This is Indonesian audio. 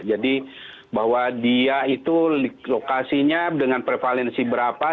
jadi bahwa dia itu lokasinya dengan prevalensi berapa